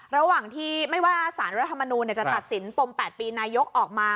ระหว่างที่ไม่ว่าสารรัฐมนูลจะตัดสินปม๘ปีนายกออกมา